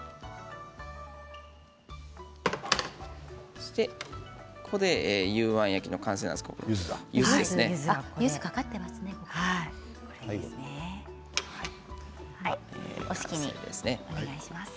そしてここで、幽庵焼きの完成です。